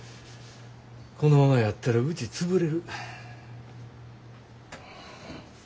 このままやったらうち潰れる。